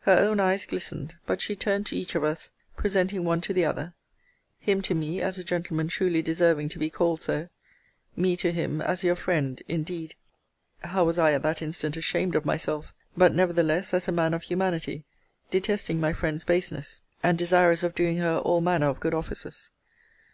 Her own eyes glistened: but she turned to each of us, presenting one to the other him to me, as a gentleman truly deserving to be called so me to him, as your friend, indeed, [how was I at that instant ashamed of myself!] but, nevertheless, as a man of humanity; detesting my friend's baseness; and desirous of doing her all manner of good offices.